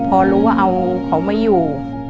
พอรู้ว่าเอาเขาไม่อยู่